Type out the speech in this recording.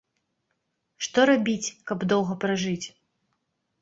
Што рабіць, каб доўга пражыць?